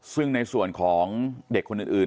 ซึ่งในส่วนของเด็กคนอื่น